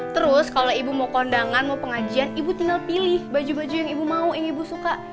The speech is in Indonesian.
terus kalau ibu mau kondangan mau pengajian ibu tinggal pilih baju baju yang ibu mau yang ibu suka